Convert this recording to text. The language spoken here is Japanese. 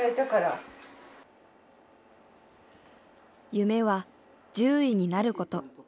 夢は獣医になること。